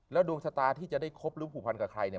ดวงชะตาที่จะได้คบหรือผูกพันกับใครเนี่ย